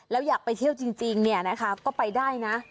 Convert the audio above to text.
แล้วอยากไปเที่ยวจริงเนี่ยนะคะก็ไปได้นะ